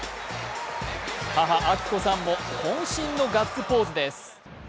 母・明子さんもこん身のガッツポーズです。